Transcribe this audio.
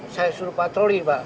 saya sudah patroli pak